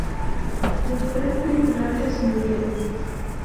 Los tres tripulantes murieron.